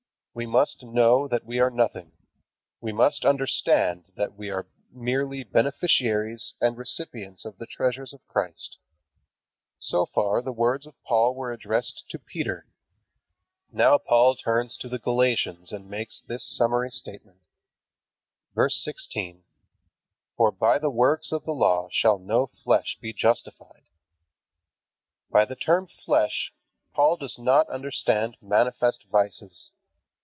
We must know that we are nothing. We must understand that we are merely beneficiaries and recipients of the treasures of Christ. So far, the words of Paul were addressed to Peter. Now Paul turns to the Galatians and makes this summary statement: VERSE 16. For by the works of the law shall no flesh be justified. By the term "flesh" Paul does not understand manifest vices.